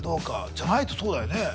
じゃないとそうだよね。